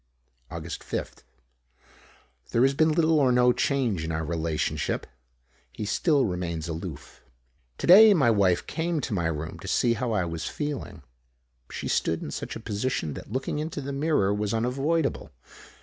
Aug. 5th. There has been little or no change in our relationship. He still remains aloof. Today my wife came to my room to see how I was feeling. She stood in such a position that looking into the mirror was unavoidable.